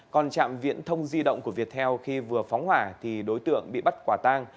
còn trạm viễn thông di động của việt heo khi vừa phóng hỏa đối tượng bị bắt quả tang